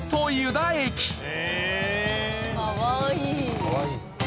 かわいい。